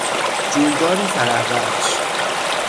جویباری فرحبخش